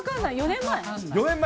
４年前？